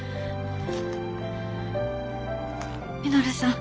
稔さん